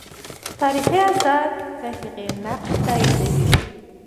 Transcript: تاریخي آثار د هغې نقش تاییدوي.